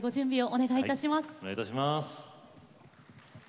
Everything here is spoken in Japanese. お願いいたします。